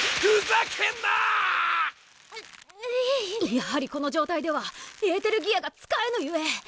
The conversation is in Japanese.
やはりこの状態ではえーてるぎあが使えぬゆえ。